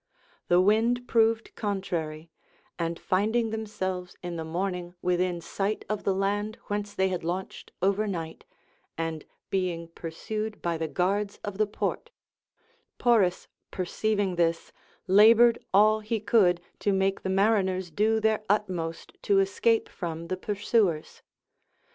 The wind proved contrary, and finding themselves in the morning within sight of the land whence they had launched overnight, and being pursued by the guards of the port, Poris perceiving this, laboured all he could to make the mariners do their utmost to escape from the pursuers.